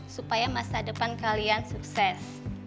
supaya masa depan kalian sukses